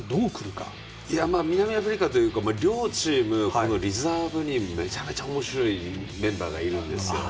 南アフリカというか両チームともリザーブにめちゃめちゃおもしろいメンバーがいるんです。